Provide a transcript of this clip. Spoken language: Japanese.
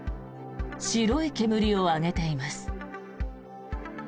白い煙を上げています。